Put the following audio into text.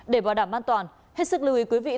để bảo đảm an toàn hết sức lưu ý quý vị